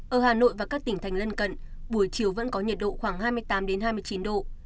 ở hà nội và các tỉnh thành lân cận buổi chiều vẫn có nhiệt độ khoảng hai mươi tám hai mươi chín độ